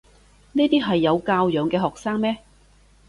呢啲係有教養嘅學生咩？